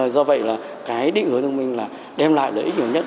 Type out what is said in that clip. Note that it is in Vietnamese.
do vậy là cái định hướng thông minh là đem lại lợi ích nhiều nhất